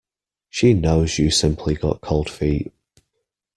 She knows you simply got cold feet.